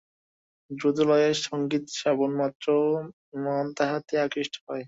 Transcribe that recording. দ্রুত-লয়ের সঙ্গীত-শ্রবণমাত্র মন তাহাতে আকৃষ্ট হয়।